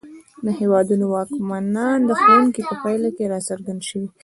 د هېوادونو واکمنان د ښوونکي په پایله کې راڅرګند شوي.